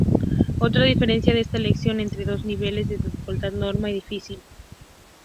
Otra diferencia es la elección entre dos niveles de dificultad: normal y difícil.